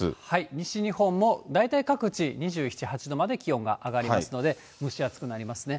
西日本も大体各地２７、８度まで気温が上がりますので蒸し暑くなりますね。